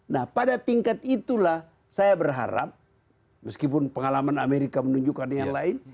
nah pada tingkat itulah saya berharap meskipun pengalaman amerika menunjukkan yang lain